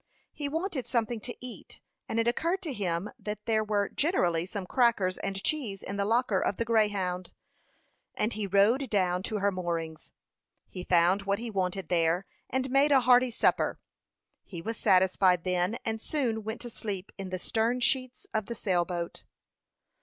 He wanted something to eat; and it occurred to him that there were generally some crackers and cheese in the locker of the Greyhound, and he rowed down to her moorings. He found what he wanted there, and made a hearty supper. He was satisfied then, and soon went to sleep in the stern sheets of the sail boat.